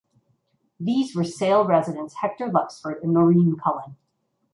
These were Sale residents Hector Luxford and Noreen Cullen.